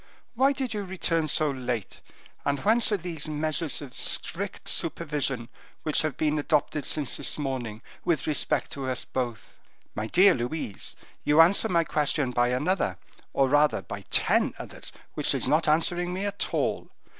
Why did you return so late, and whence are these measures of strict supervision which have been adopted since this morning, with respect to us both?" "My dear Louise, you answer my question by another, or rather, by ten others, which is not answering me at all.